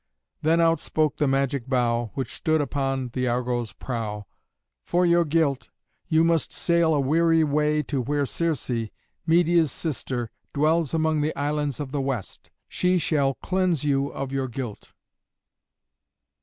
Then out spoke the magic bough, which stood upon the Argo's prow, "For your guilt, you must sail a weary way to where Circe, Medeia's sister, dwells among the islands of the West; she shall cleanse you of your guilt."